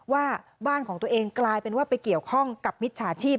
ว่าบ้านของตัวเองกลายเป็นว่าไปเกี่ยวข้องกับมิจฉาชีพ